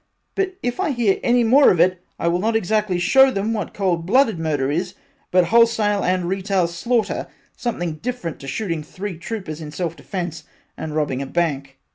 But if I hear any more of it I will not exactly show them what cold blooded murder is but wholesale and retail slaughter something different to shooting three troopers in self defence and robbing a bank.